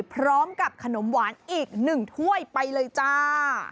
พร้อมกับขนมหวานอีก๑ถ้วยไปเลยจ้า